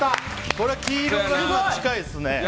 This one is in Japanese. これは黄色が今近いですね。